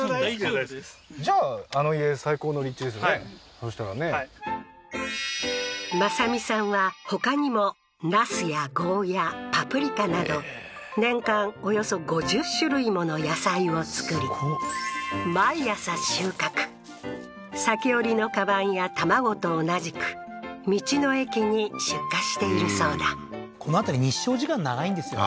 そしたらねはい正美さんはほかにもナスやゴーヤーパプリカなど毎朝収穫裂織のカバンや卵と同じく道の駅に出荷しているそうだこの辺り日照時間長いんですよね